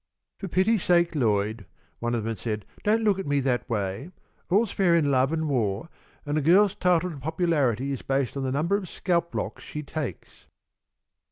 "For pity's sake, Lloyd!" one of them had said, "don't look at me that way. 'All's fair in love and war,' and a girl's title to popularity is based on the number of scalp locks she takes."